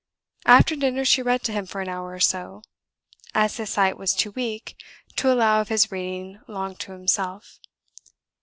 After dinner she read to him for an hour or so, as his sight was too weak to allow of his reading long to himself.